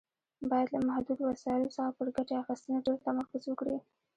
باید له محدودو وسایلو څخه پر ګټې اخیستنې ډېر تمرکز وکړي.